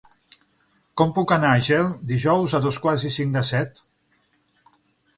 Com puc anar a Ger dijous a dos quarts i cinc de set?